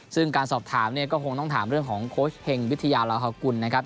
ซึ่งการสอบถามเนี่ยก็คงต้องถามเรื่องของโค้ชเฮงวิทยาลาฮกุลนะครับ